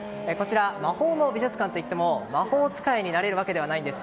「魔法の美術館」といっても魔法使いになれるわけではないんです。